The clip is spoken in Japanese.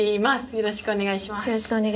よろしくお願いします。